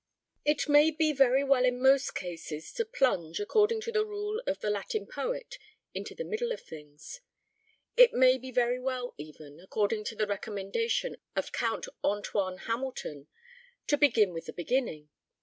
It may be very well in most cases to plunge, according to the rule of the Latin poet, into the middle of things. It may be very well even, according to the recommendation of Count Antoine Hamilton, to 'begin with the beginning.'